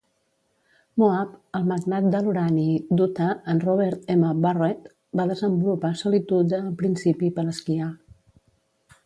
Moab, el magnat de l'urani d'Utah en Robert M. Barrett, va desenvolupar Solitude en principi per esquiar.